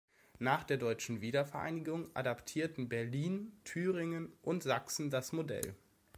Nach der Deutschen Wiedervereinigung adaptierten Berlin, Thüringen und Sachsen das Modell.